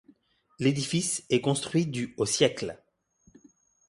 L'édifice est construit du au siècles.